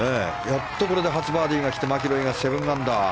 やっとこれで初バーディーマキロイが７アンダー。